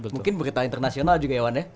mungkin berita internasional juga ya wan ya